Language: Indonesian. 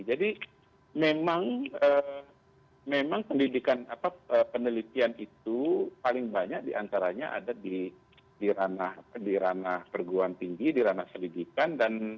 jadi memang pendidikan atau penelitian itu paling banyak diantaranya ada di ranah perguruan tinggi di ranah pendidikan